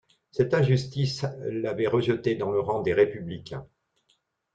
Cette injustice l'avait rejeté dans les rangs des républicains.